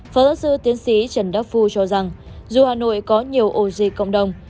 phó giáo sư tiến sĩ trần đắc phu cho rằng dù hà nội có nhiều ổ dịch cộng đồng